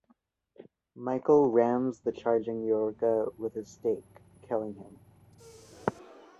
Michael rams the charging Yorga with his stake, killing him.